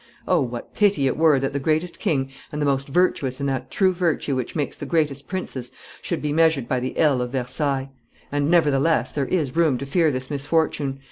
O, what pity it were that the greatest king and the most virtuous in that true virtue which makes the greatest princes should be measured by the ell of Versailles! And, nevertheless, there is room to fear this misfortune.